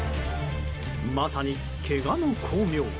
まさに、けがの功名。